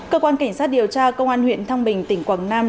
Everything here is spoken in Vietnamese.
cơ quan cảnh sát điều tra công an huyện thăng bình tỉnh quảng nam